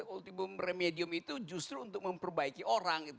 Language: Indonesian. ultimum remedium itu justru untuk memperbaiki orang gitu